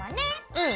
うん。